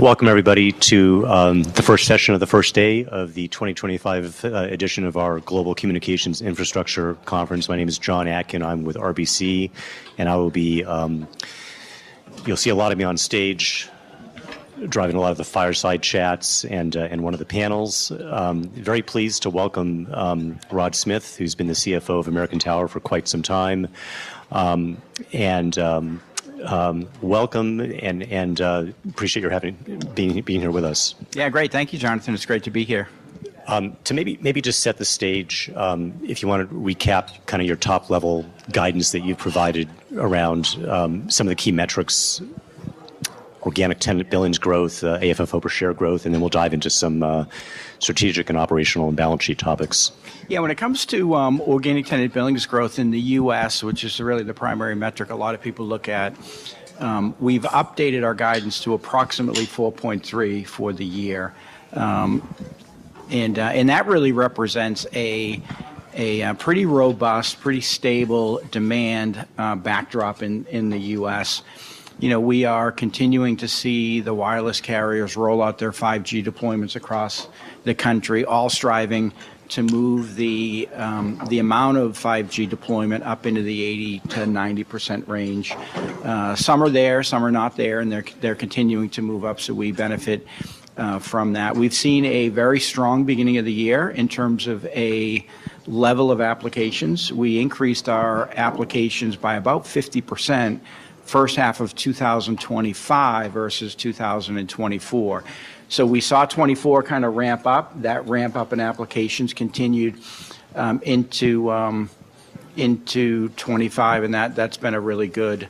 Welcome, everybody, to the first session of the first day of the 2025 edition of our Global Communications Infrastructure Conference. My name is John Atkin. I'm with RBC, and you'll see a lot of me on stage driving a lot of the fireside chats and one of the panels. Very pleased to welcome Rod Smith, who's been the CFO of American Tower for quite some time. Welcome and appreciate your being here with us. Yeah, great. Thank you, John. It's great to be here. To maybe just set the stage, if you want to recap kind of your top-level guidance that you've provided around some of the key metrics: organic tenant billings growth, AFFO per share growth, and then we'll dive into some strategic and operational and balance sheet topics. Yeah, when it comes to organic tenant billings growth in the U.S., which is really the primary metric a lot of people look at, we've updated our guidance to approximately 4.3% for the year. That really represents a pretty robust, pretty stable demand backdrop in the U.S. We are continuing to see the wireless carriers roll out their 5G deployments across the country, all striving to move the amount of 5G deployment up into the 80% - 90% range. Some are there, some are not there, and they're continuing to move up. We benefit from that. We've seen a very strong beginning of the year in terms of a level of applications. We increased our applications by about 50% first half of 2025 versus 2024. We saw 2024 kind of ramp up. That ramp up in applications continued into 2025, and that's been a really good,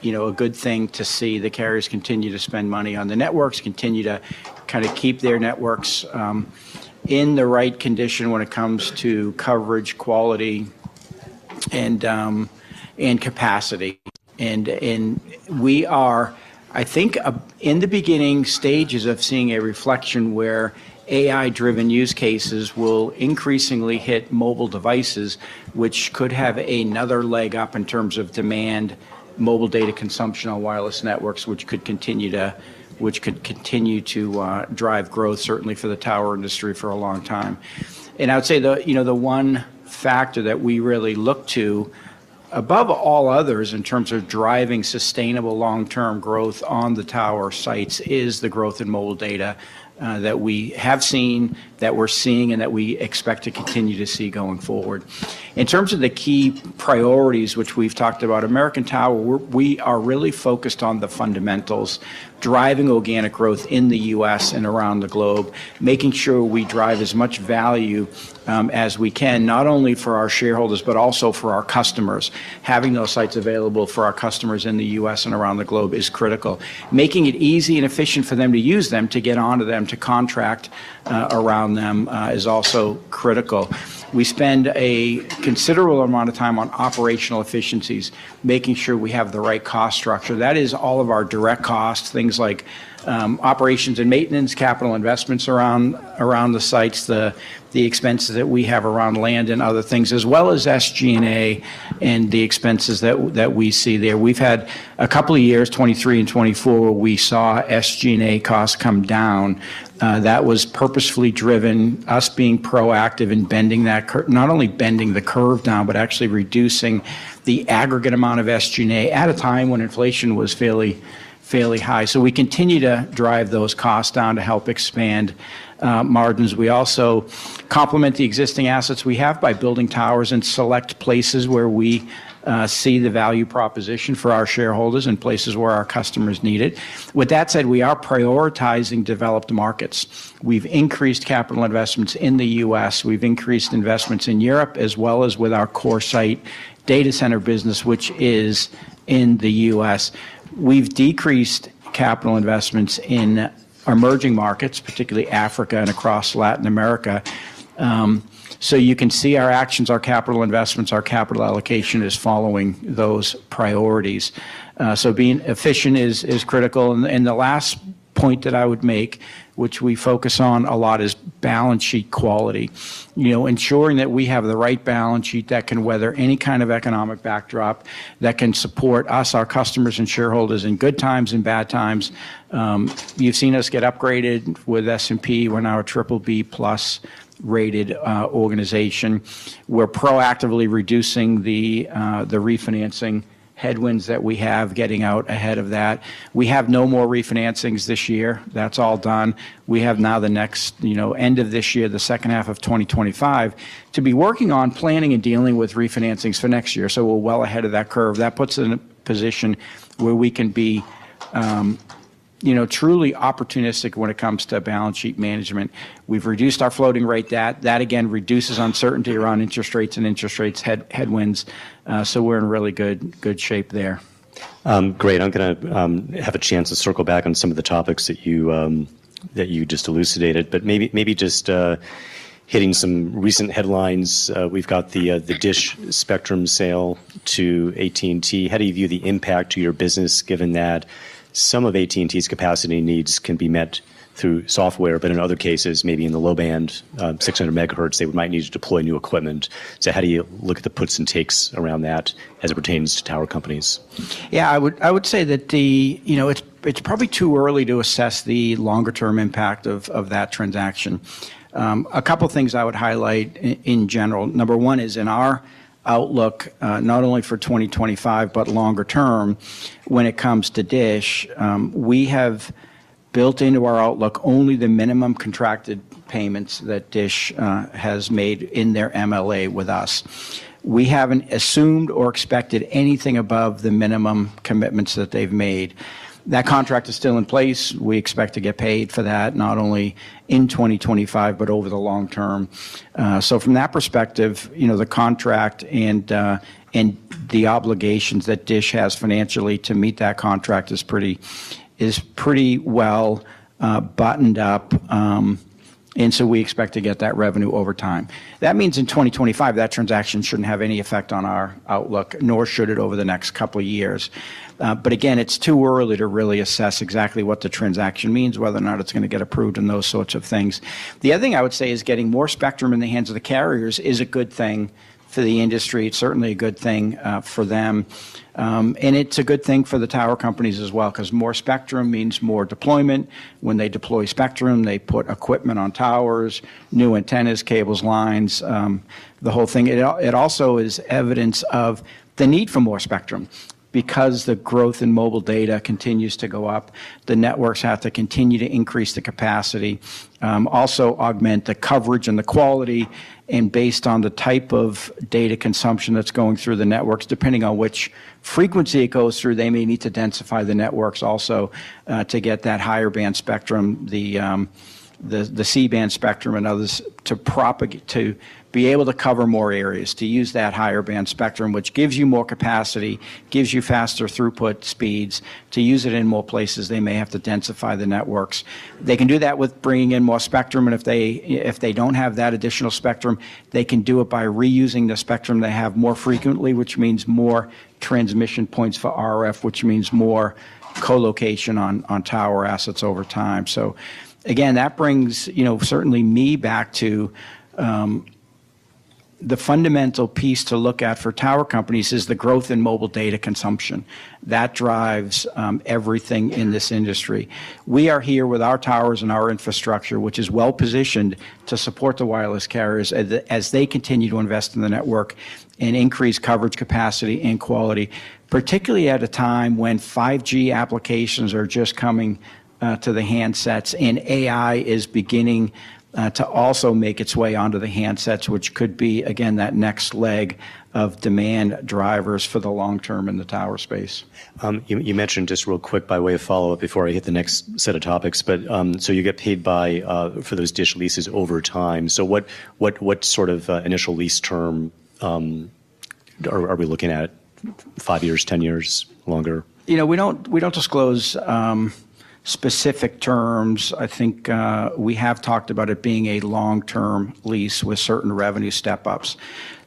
you know, a good thing to see the carriers continue to spend money on the networks, continue to kind of keep their networks in the right condition when it comes to coverage, quality, and capacity. We are, I think, in the beginning stages of seeing a reflection where AI-driven use cases will increasingly hit mobile devices, which could have another leg up in terms of demand, mobile data consumption on wireless networks, which could continue to drive growth, certainly for the tower industry for a long time. I would say the one factor that we really look to, above all others, in terms of driving sustainable long-term growth on the tower sites, is the growth in mobile data that we have seen, that we're seeing, and that we expect to continue to see going forward. In terms of the key priorities, which we've talked about, American Tower, we are really focused on the fundamentals, driving organic growth in the U.S. and around the globe, making sure we drive as much value as we can, not only for our shareholders, but also for our customers. Having those sites available for our customers in the U.S. and around the globe is critical. Making it easy and efficient for them to use them, to get onto them, to contract around them is also critical. We spend a considerable amount of time on operational efficiencies, making sure we have the right cost structure. That is all of our direct costs, things like operations and maintenance, capital investments around the sites, the expenses that we have around land and other things, as well as SG&A and the expenses that we see there. We've had a couple of years, 2023 and 2024, where we saw SG&A costs come down. That was purposefully driven, us being proactive in bending that, not only bending the curve down, but actually reducing the aggregate amount of SG&A at a time when inflation was fairly high. We continue to drive those costs down to help expand margins. We also complement the existing assets we have by building towers in select places where we see the value proposition for our shareholders and places where our customers need it. With that said, we are prioritizing developed markets. We've increased capital investments in the U.S. We've increased investments in Europe, as well as with our CoreSite data center business, which is in the U.S. We've decreased capital investments in emerging markets, particularly Africa and across Latin America. You can see our actions, our capital investments, our capital allocation is following those priorities. Being efficient is critical. The last point that I would make, which we focus on a lot, is balance sheet quality. You know, ensuring that we have the right balance sheet that can weather any kind of economic backdrop, that can support us, our customers, and shareholders in good times and bad times. You've seen us get upgraded with S&P. We're now a BBB+ rated organization. We're proactively reducing the refinancing headwinds that we have, getting out ahead of that. We have no more refinancings this year. That's all done. We have now the next, you know, end of this year, the second half of 2025, to be working on planning and dealing with refinancings for next year. We're well ahead of that curve. That puts us in a position where we can be, you know, truly opportunistic when it comes to balance sheet management. We've reduced our floating-rate exposure. That again reduces uncertainty around interest rates and interest rate headwinds. We're in really good shape there. Great. I'm going to have a chance to circle back on some of the topics that you just elucidated, but maybe just hitting some recent headlines. We've got the DISH Spectrum sale to AT&T. How do you view the impact to your business, given that some of AT&T's capacity needs can be met through software, but in other cases, maybe in the low band, 600 MHz, they might need to deploy new equipment? How do you look at the puts and takes around that as it pertains to tower companies? Yeah, I would say that it's probably too early to assess the longer-term impact of that transaction. A couple of things I would highlight in general. Number one is in our outlook, not only for 2025, but longer term, when it comes to DISH, we have built into our outlook only the minimum contracted payments that DISH has made in their MLA with us. We haven't assumed or expected anything above the minimum commitments that they've made. That contract is still in place. We expect to get paid for that, not only in 2025, but over the long term. From that perspective, the contract and the obligations that DISH has financially to meet that contract is pretty well buttoned up. We expect to get that revenue over time. That means in 2025, that transaction shouldn't have any effect on our outlook, nor should it over the next couple of years. Again, it's too early to really assess exactly what the transaction means, whether or not it's going to get approved and those sorts of things. The other thing I would say is getting more spectrum in the hands of the carriers is a good thing for the industry. It's certainly a good thing for them, and it's a good thing for the tower companies as well, because more spectrum means more deployment. When they deploy spectrum, they put equipment on towers, new antennas, cables, lines, the whole thing. It also is evidence of the need for more spectrum because the growth in mobile data continues to go up. The networks have to continue to increase the capacity, also augment the coverage and the quality. Based on the type of data consumption that's going through the networks, depending on which frequency it goes through, they may need to densify the networks also to get that higher band spectrum, the C-band spectrum and others, to be able to cover more areas, to use that higher band spectrum, which gives you more capacity, gives you faster throughput speeds. To use it in more places, they may have to densify the networks. They can do that with bringing in more spectrum. If they don't have that additional spectrum, they can do it by reusing the spectrum they have more frequently, which means more transmission points for RF, which means more colocation on tower assets over time. That brings me back to the fundamental piece to look at for tower companies, which is the growth in mobile data consumption. That drives everything in this industry. We are here with our towers and our infrastructure, which is well positioned to support the wireless carriers as they continue to invest in the network and increase coverage, capacity, and quality, particularly at a time when 5G applications are just coming to the handsets, and AI is beginning to also make its way onto the handsets, which could be, again, that next leg of demand drivers for the long term in the tower space. You mentioned just real quick, by way of follow-up, before I hit the next set of topics, you get paid for those DISH leases over time. What sort of initial lease term are we looking at? Five years, 10 years, longer? You know, we don't disclose specific terms. I think we have talked about it being a long-term lease with certain revenue step-ups.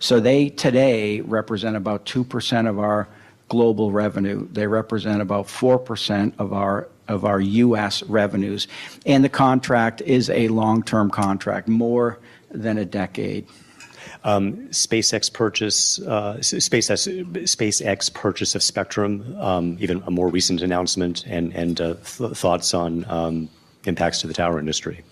They today represent about 2% of our global revenue and about 4% of our U.S. revenues. The contract is a long-term contract, more than a decade. SpaceX purchase of spectrum, even a more recent announcement, and thoughts on impacts to the tower industry?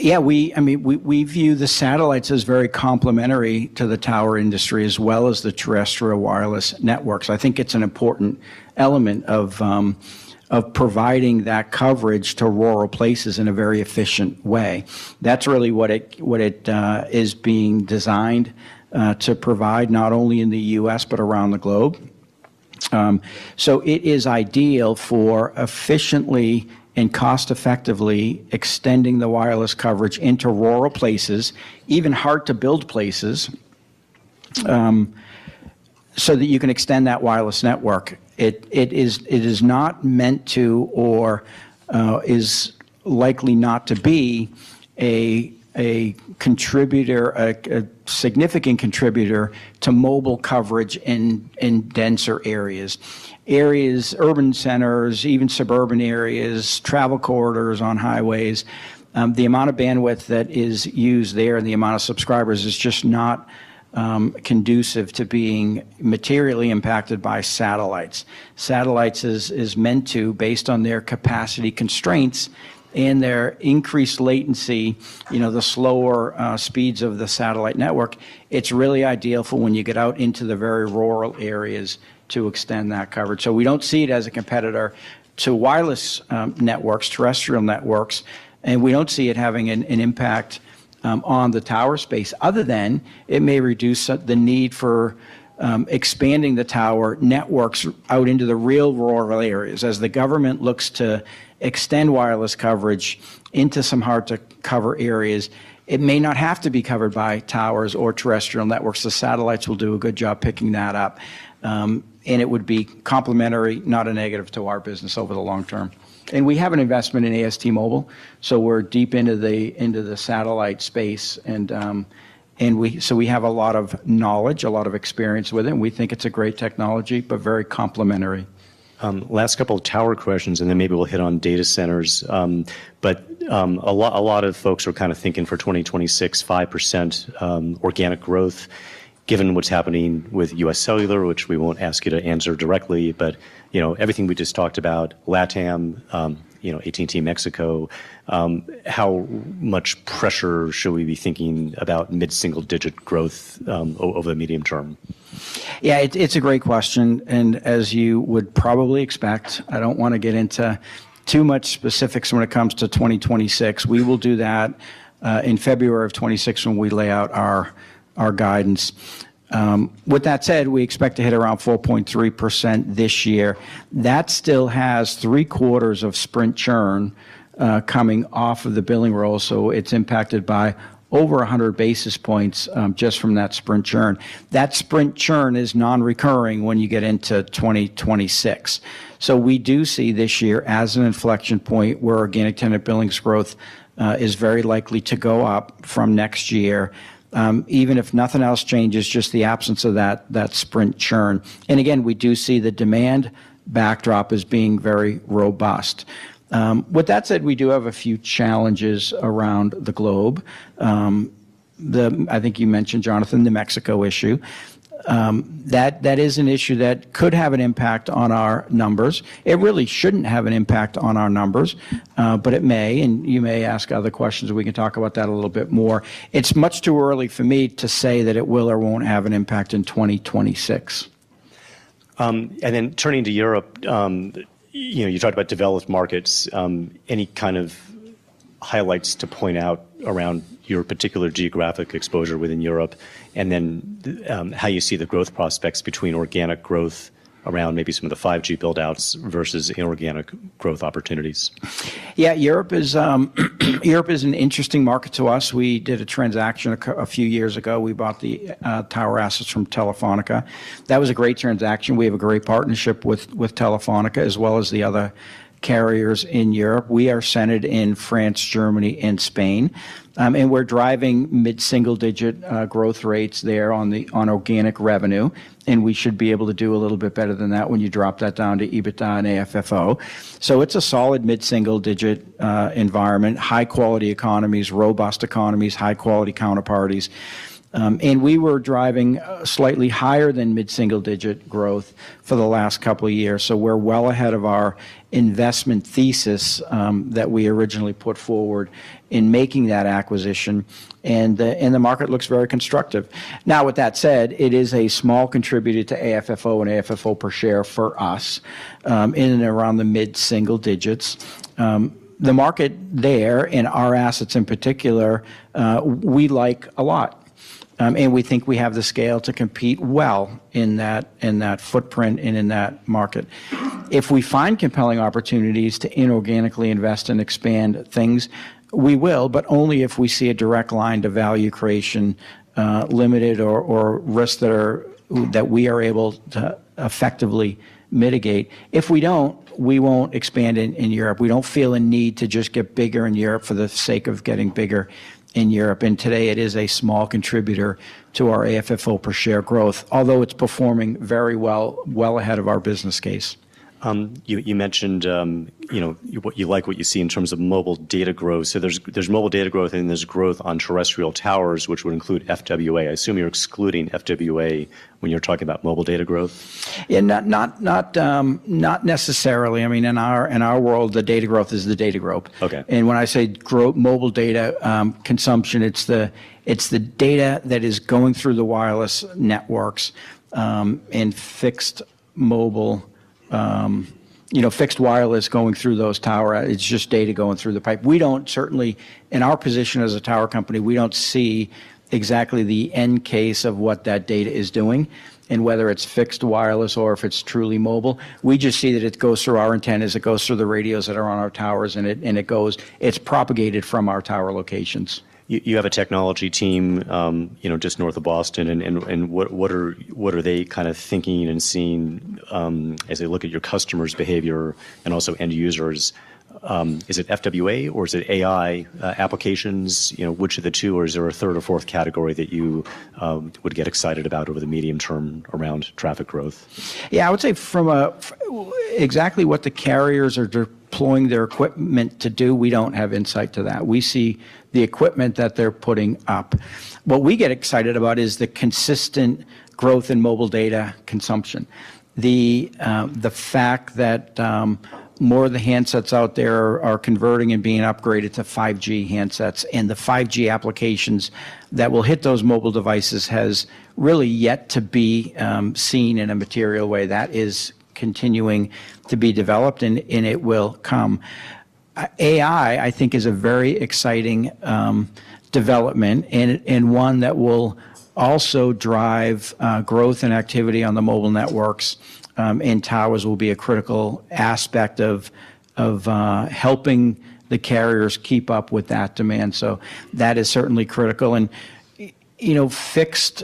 Yeah, I mean, we view the satellites as very complementary to the tower industry, as well as the terrestrial wireless networks. I think it's an important element of providing that coverage to rural places in a very efficient way. That's really what it is being designed to provide, not only in the U.S., but around the globe. It is ideal for efficiently and cost-effectively extending the wireless coverage into rural places, even hard-to-build places, so that you can extend that wireless network. It is not meant to, or is likely not to be, a significant contributor to mobile coverage in denser areas, urban centers, even suburban areas, travel corridors on highways. The amount of bandwidth that is used there and the amount of subscribers is just not conducive to being materially impacted by satellites. Satellites are meant to, based on their capacity constraints and their increased latency, you know, the slower speeds of the satellite network, it's really ideal for when you get out into the very rural areas to extend that coverage. We don't see it as a competitor to wireless networks, terrestrial networks, and we don't see it having an impact on the tower space, other than it may reduce the need for expanding the tower networks out into the real rural areas. As the government looks to extend wireless coverage into some hard-to-cover areas, it may not have to be covered by towers or terrestrial networks. The satellites will do a good job picking that up, and it would be complementary, not a negative to our business over the long term. We have an investment in AST Mobile, so we're deep into the satellite space, and we have a lot of knowledge, a lot of experience with it, and we think it's a great technology, but very complementary. Last couple of tower questions, and then maybe we'll hit on data centers, but a lot of folks are kind of thinking for 2026, 5% organic growth, given what's happening with U.S. Cellular, which we won't ask you to answer directly, but you know, everything we just talked about, Latin America, you know, AT&T Mexico, how much pressure should we be thinking about mid-single-digit growth over the medium term? Yeah, it's a great question. As you would probably expect, I don't want to get into too much specifics when it comes to 2026. We will do that in February of 2026 when we lay out our guidance. With that said, we expect to hit around 4.3% this year. That still has three quarters of Sprint churn coming off of the billing roll, so it's impacted by over 100 basis points just from that Sprint churn. That Sprint churn is non-recurring when you get into 2026. We do see this year as an inflection point where organic tenant billings growth is very likely to go up from next year, even if nothing else changes, just the absence of that Sprint churn. We do see the demand backdrop as being very robust. With that said, we do have a few challenges around the globe. I think you mentioned, Jonathan, the Mexico issue. That is an issue that could have an impact on our numbers. It really shouldn't have an impact on our numbers, but it may, and you may ask other questions, and we can talk about that a little bit more. It's much too early for me to say that it will or won't have an impact in 2026. Turning to Europe, you talked about developed markets. Any kind of highlights to point out around your particular geographic exposure within Europe? How do you see the growth prospects between organic growth around maybe some of the 5G buildouts versus inorganic growth opportunities? Yeah, Europe is an interesting market to us. We did a transaction a few years ago. We bought the tower assets from Telefonica. That was a great transaction. We have a great partnership with Telefonica, as well as the other carriers in Europe. We are centered in France, Germany, and Spain. We're driving mid-single-digit growth rates there on organic revenue. We should be able to do a little bit better than that when you drop that down to EBITDA and AFFO. It's a solid mid-single-digit environment, high-quality economies, robust economies, high-quality counterparties. We were driving slightly higher than mid-single-digit growth for the last couple of years. We're well ahead of our investment thesis that we originally put forward in making that acquisition. The market looks very constructive. Now, with that said, it is a small contributor to AFFO and AFFO per share for us in and around the mid-single digits. The market there, and our assets in particular, we like a lot. We think we have the scale to compete well in that footprint and in that market. If we find compelling opportunities to inorganically invest and expand things, we will, but only if we see a direct line to value creation limited or risks that we are able to effectively mitigate. If we don't, we won't expand in Europe. We don't feel a need to just get bigger in Europe for the sake of getting bigger in Europe. Today, it is a small contributor to our AFFO per share growth, although it's performing very well, well ahead of our business case. You mentioned what you like, what you see in terms of mobile data growth. There's mobile data growth, and there's growth on terrestrial towers, which would include FWA. I assume you're excluding FWA when you're talking about mobile data growth? Yeah, not necessarily. I mean, in our world, the data growth is the data growth. When I say mobile data consumption, it's the data that is going through the wireless networks and fixed wireless, you know, fixed wireless going through those towers. It's just data going through the pipe. We don't, certainly in our position as a tower company, see exactly the end case of what that data is doing and whether it's fixed wireless or if it's truly mobile. We just see that it goes through our antennas, it goes through the radios that are on our towers, and it is propagated from our tower locations. You have a technology team just north of Boston. What are they kind of thinking and seeing as they look at your customers' behavior and also end users? Is it FWA or is it AI applications? Which of the two, or is there a third or fourth category that you would get excited about over the medium term around traffic growth? Yeah, I would say from exactly what the carriers are deploying their equipment to do, we don't have insight to that. We see the equipment that they're putting up. What we get excited about is the consistent growth in mobile data consumption. The fact that more of the handsets out there are converting and being upgraded to 5G handsets, and the 5G applications that will hit those mobile devices have really yet to be seen in a material way. That is continuing to be developed, and it will come. AI, I think, is a very exciting development and one that will also drive growth and activity on the mobile networks. Towers will be a critical aspect of helping the carriers keep up with that demand. That is certainly critical. Fixed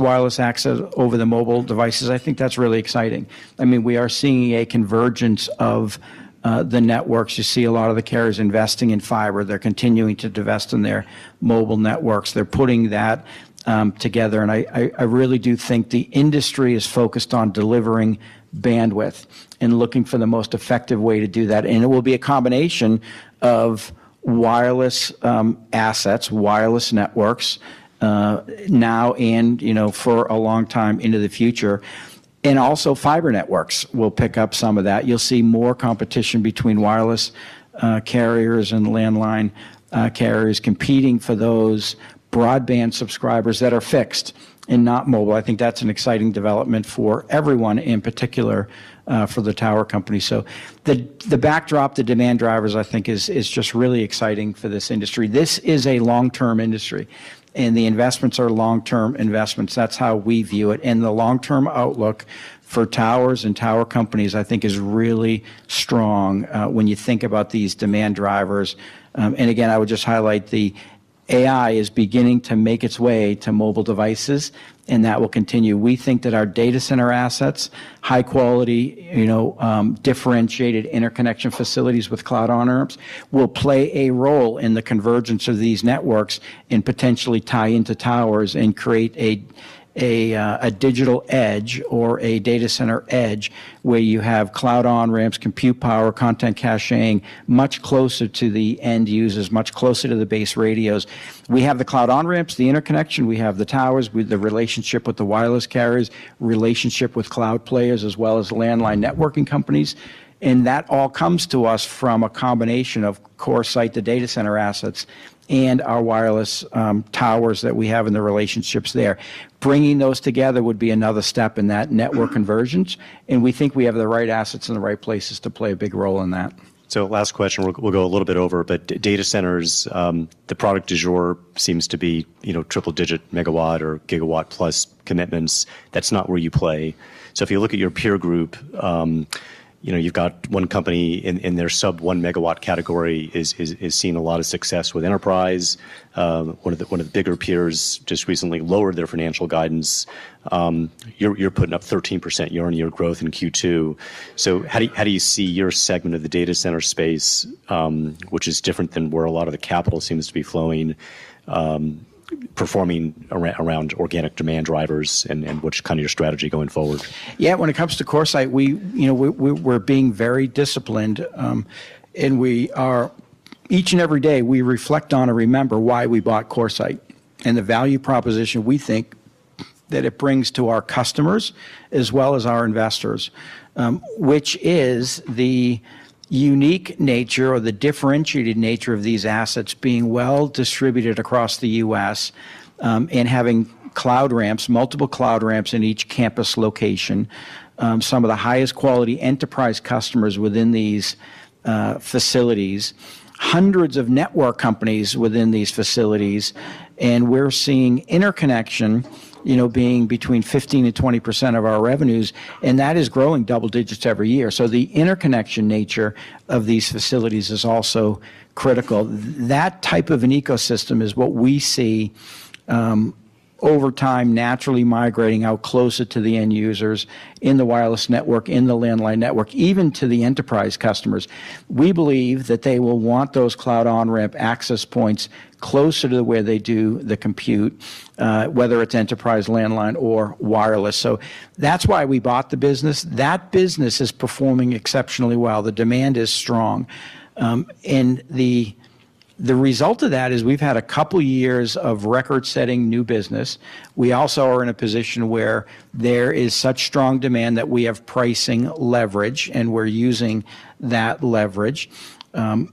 wireless access over the mobile devices, I think that's really exciting. I mean, we are seeing a convergence of the networks. You see a lot of the carriers investing in fiber. They're continuing to invest in their mobile networks. They're putting that together. I really do think the industry is focused on delivering bandwidth and looking for the most effective way to do that. It will be a combination of wireless assets, wireless networks now and, you know, for a long time into the future. Also, fiber networks will pick up some of that. You'll see more competition between wireless carriers and landline carriers competing for those broadband subscribers that are fixed and not mobile. I think that's an exciting development for everyone, in particular for the tower company. The backdrop, the demand drivers, I think, is just really exciting for this industry. This is a long-term industry, and the investments are long-term investments. That's how we view it. The long-term outlook for towers and tower companies, I think, is really strong when you think about these demand drivers. Again, I would just highlight the AI is beginning to make its way to mobile devices, and that will continue. We think that our data center assets, high-quality, you know, differentiated interconnection facilities with cloud on-ramps will play a role in the convergence of these networks and potentially tie into towers and create a digital edge or a data center edge where you have cloud on-ramps, compute power, content caching, much closer to the end users, much closer to the base radios. We have the cloud on-ramps, the interconnection, we have the towers, the relationship with the wireless carriers, relationship with cloud players, as well as landline networking companies. That all comes to us from a combination of CoreSite data center assets and our wireless towers that we have in the relationships there. Bringing those together would be another step in that network convergence. We think we have the right assets in the right places to play a big role in that. Last question, we'll go a little bit over, but data centers, the product du jour seems to be, you know, triple digit megawatt or gigawatt plus commitments. That's not where you play. If you look at your peer group, you've got one company in their sub one megawatt category that is seeing a lot of success with enterprise. One of the bigger peers just recently lowered their financial guidance. You're putting up 13% year-on-year growth in Q2. How do you see your segment of the data center space, which is different than where a lot of the capital seems to be flowing, performing around organic demand drivers and what's kind of your strategy going forward? Yeah, when it comes to CoreSite, we're being very disciplined. We are, each and every day, we reflect on and remember why we bought CoreSite and the value proposition we think that it brings to our customers as well as our investors, which is the unique nature or the differentiated nature of these assets being well distributed across the U.S. and having cloud ramps, multiple cloud ramps in each campus location, some of the highest quality enterprise customers within these facilities, hundreds of network companies within these facilities. We're seeing interconnection, you know, being between 15% and 20% of our revenues, and that is growing double digits every year. The interconnection nature of these facilities is also critical. That type of an ecosystem is what we see over time naturally migrating out closer to the end users in the wireless network, in the landline network, even to the enterprise customers. We believe that they will want those cloud on-ramp access points closer to the way they do the compute, whether it's enterprise, landline, or wireless. That's why we bought the business. That business is performing exceptionally well. The demand is strong. The result of that is we've had a couple of years of record-setting new business. We also are in a position where there is such strong demand that we have pricing leverage, and we're using that leverage.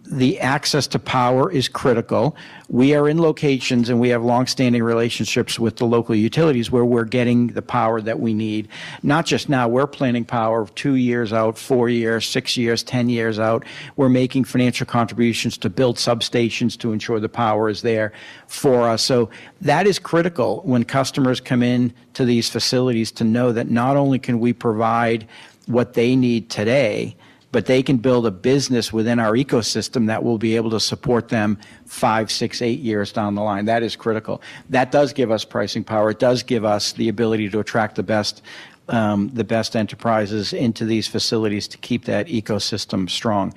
The access to power is critical. We are in locations, and we have longstanding relationships with the local utilities where we're getting the power that we need. Not just now, we're planning power two years out, four years, six years, ten years out. We're making financial contributions to build substations to ensure the power is there for us. That is critical when customers come in to these facilities to know that not only can we provide what they need today, but they can build a business within our ecosystem that will be able to support them five, six, eight years down the line. That is critical. That does give us pricing power. It does give us the ability to attract the best enterprises into these facilities to keep that ecosystem strong.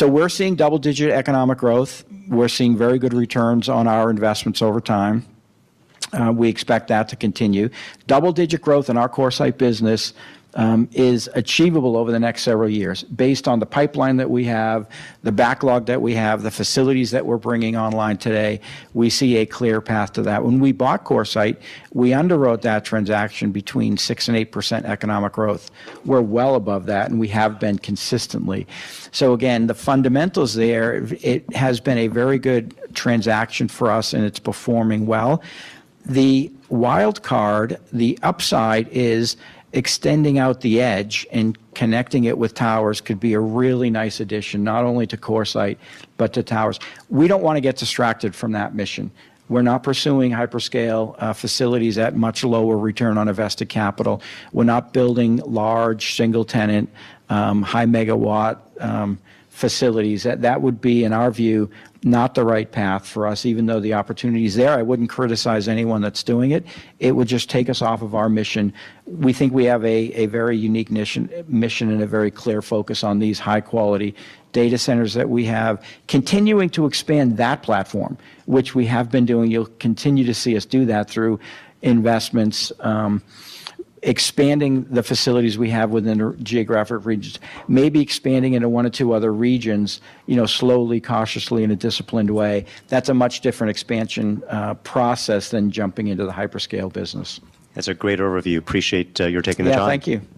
We're seeing double-digit economic growth. We're seeing very good returns on our investments over time. We expect that to continue. Double-digit growth in our CoreSite business is achievable over the next several years, based on the pipeline that we have, the backlog that we have, the facilities that we're bringing online today. We see a clear path to that. When we bought CoreSite, we underwrote that transaction between 6% and 8% economic growth. We're well above that, and we have been consistently. The fundamentals there, it has been a very good transaction for us, and it's performing well. The wildcard, the upside is extending out the edge and connecting it with towers could be a really nice addition, not only to CoreSite, but to towers. We don't want to get distracted from that mission. We're not pursuing hyperscale facilities at much lower return on invested capital. We're not building large single-tenant, high-megawatt facilities. That would be, in our view, not the right path for us, even though the opportunity is there. I wouldn't criticize anyone that's doing it. It would just take us off of our mission. We think we have a very unique mission and a very clear focus on these high-quality data centers that we have, continuing to expand that platform, which we have been doing. You'll continue to see us do that through investments, expanding the facilities we have within geographic regions, maybe expanding into one or two other regions, you know, slowly, cautiously, in a disciplined way. That's a much different expansion process than jumping into the hyperscale business. That's a great overview. Appreciate your taking the time. Yeah, thank you.